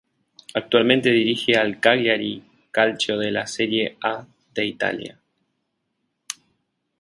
Actualmente dirige al Cagliari Calcio de la Serie A de Italia.